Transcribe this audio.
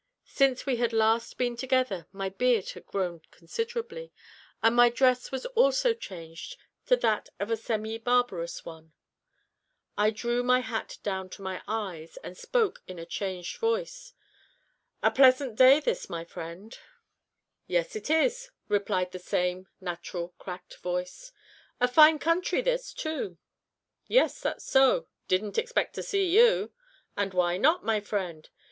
Since we had last been together my beard had grown considerably, and my dress was also changed to that of a semi barbarous one. I drew my hat down to my eyes, and spoke in a changed voice. "A pleasant day this, my friend." [Illustration: "No less personage than Nat stepped ashore."] "Yes, it is," replied the same natural, cracked voice. "A fine country this, too," "Yes, that's so; didn't expect to see you." "And why not, my friend?"